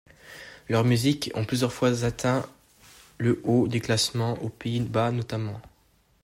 Leurs musiques ont plusieurs fois atteint le haut des classements, aux Pays-Bas notamment.